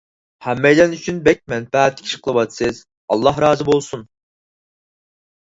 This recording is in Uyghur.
ھەممەيلەن ئۈچۈن بەك مەنپەئەتلىك ئىش قىلىۋاتىسىز، ئاللاھ رازى بولسۇن.